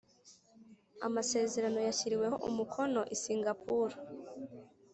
Amasezerano yashyiriweho umukonoi singapour